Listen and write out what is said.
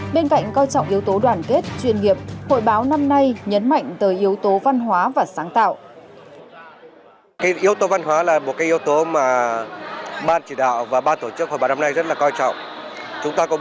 bên cạnh coi trọng yếu tố đoàn kết chuyên nghiệp hội báo năm nay nhấn mạnh tới yếu tố văn hóa và sáng tạo